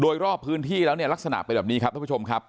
โดยรอบพื้นที่แล้วเนี่ยลักษณะเป็นแบบนี้ครับท่านผู้ชมครับ